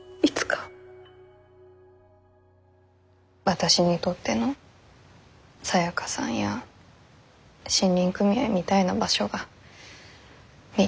私にとってのサヤカさんや森林組合みたいな場所がみー